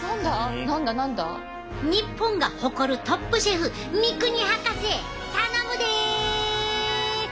日本が誇るトップシェフ三國博士頼むで！